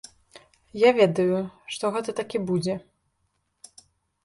Я ведаю, што гэта так і будзе.